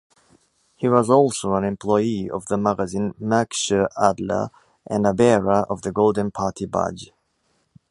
He was also an employee of the magazine "Märkischer Adler" and a bearer of the Golden Party Badge.